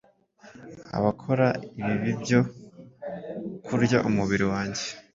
Abakora ibibibyo kurya umubiri wanjye